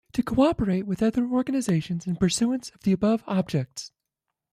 To co-operate with other organisations in pursuance of the above objects.